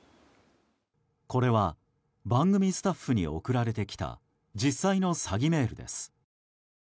これは番組スタッフに送られてきた実際の詐欺メールです。